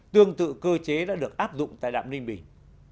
tương tự cơ chế đã được áp dụng tại đạm ninh bình